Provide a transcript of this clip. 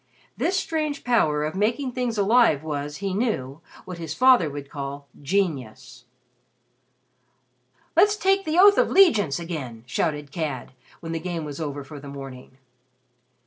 This strange power of making things alive was, he knew, what his father would call "genius." "Let's take the oath of 'legiance again," shouted Cad, when the Game was over for the morning.